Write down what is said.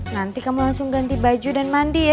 nanti kamu langsung ganti baju dan mandi ya